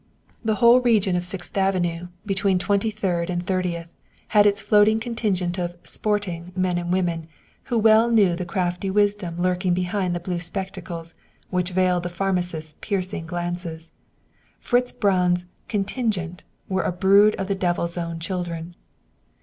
The whole region of Sixth Avenue, between Twenty third and Thirtieth, had its floating contingent of "sporting" men and women who well knew the crafty wisdom lurking behind the blue spectacles which veiled the pharmacist's piercing glances. Fritz Braun's "contingent" were a brood of the Devil's own children.